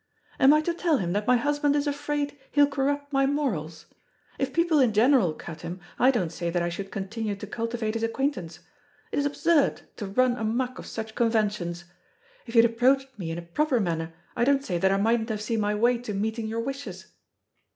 Am I to tell him that my husband is afraid he'll corrupt my morals? If people in general cut him, I don't say that I should continue to cultivate his acquaintance. It is absurd to run amuck of such conventions. If you had approached me in a proper manner, I don't say that I mightn't have seen my way to meeting your wishes."